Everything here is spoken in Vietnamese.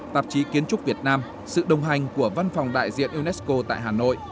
tạp chí kiến trúc việt nam sự đồng hành của văn phòng đại diện unesco tại hà nội